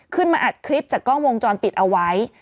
อัดคลิปจากกล้องวงจรปิดเอาไว้